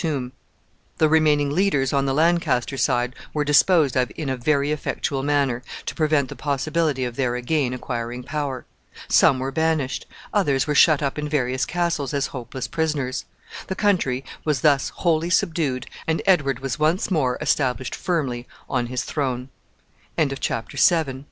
[Illustration: TOMB OF HENRY VI.] The remaining leaders on the Lancaster side were disposed of in a very effectual manner, to prevent the possibility of their again acquiring power. Some were banished. Others were shut up in various castles as hopeless prisoners. The country was thus wholly subdued, and Edward was once more established firmly on his th